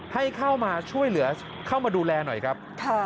ให้เข้ามาช่วยเหลือเข้ามาดูแลหน่อยครับ